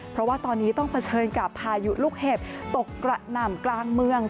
เพราะว่าตอนนี้ต้องเผชิญกับพายุลูกเห็บตกกระหน่ำกลางเมือง